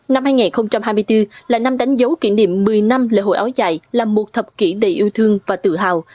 năm hai nghìn hai mươi bốn là năm đánh dấu kỷ niệm một mươi năm lễ hội áo dài là một thập kỷ đầy yêu thương và tự hào